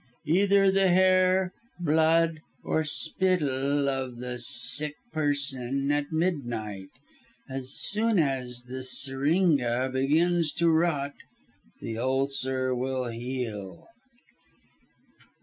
_ either the hair, blood, or spittle of the sick person, at midnight. As soon as the seringa begins to rot, the ulcer will heal.